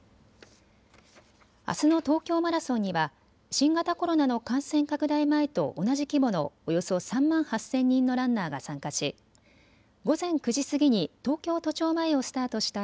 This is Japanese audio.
あすの東京マラソンには新型コロナの感染拡大前と同じ規模のおよそ３万８０００人のランナーが参加し午前９時過ぎに東京都庁前をスタートした